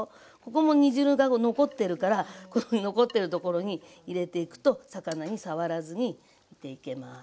ここも煮汁が残ってるからこの残ってるところに入れていくと魚に触らずに煮ていけます。